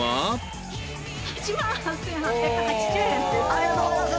ありがとうございます。